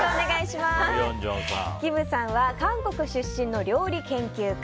キムさんは韓国出身の料理研究家